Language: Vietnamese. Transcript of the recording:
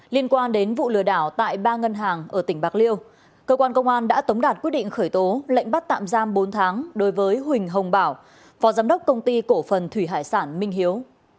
liên quan đến vụ lừa đảo tại ba ngân hàng ở tỉnh bạc liêu cơ quan công an đã tống đạt quyết định khởi tố lệnh bắt tạm giam bốn tháng đối với huỳnh hồng bảo phó giám đốc công ty cổ phần thủy hải sản minh hiếu